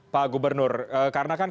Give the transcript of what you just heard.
pak gubernur karena kan